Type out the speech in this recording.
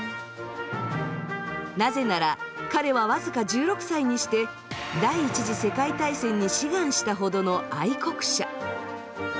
なぜなら彼は僅か１６歳にして第一次世界大戦に志願したほどの愛国者。